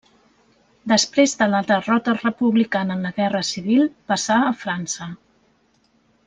Després de la derrota republicana en la guerra civil, passà a França.